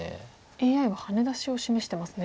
ＡＩはハネ出しを示してますね。